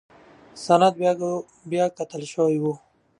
سند بیاکتل شوی و.